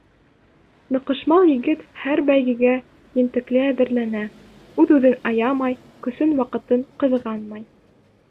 Ныҡышмал егет һәр бәйгегә ентекле әҙерләнә, үҙ-үҙен аямай, көсөн, ваҡытын ҡыҙғанмай.